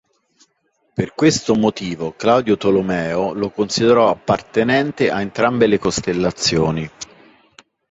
Per questo motivo Claudio Tolomeo lo considerò appartenente a entrambe le costellazioni.